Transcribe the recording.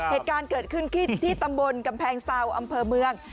เหตุการณ์เกิดขึ้นที่ตำบลกำแพงเซาอำเภอเมือง